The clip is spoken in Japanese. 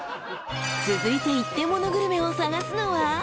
［続いて一点モノグルメを探すのは？］